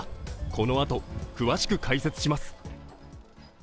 このあと詳しく解説します。